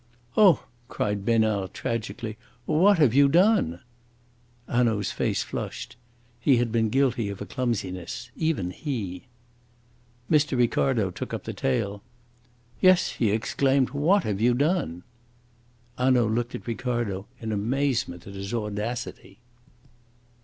"Oh!" cried Besnard tragically. "What have you done?" Hanaud's face flushed. He had been guilty of a clumsiness even he. Mr. Ricardo took up the tale. "Yes," he exclaimed, "what have you done?" Hanaud looked at Ricardo in amazement at his audacity.